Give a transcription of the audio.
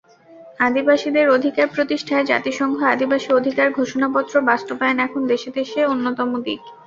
আদিবাসীদের অধিকার প্রতিষ্ঠায় জাতিসংঘ আদিবাসী-অধিকার ঘোষণাপত্র বাস্তবায়ন এখন দেশে দেশে অন্যতম দিক।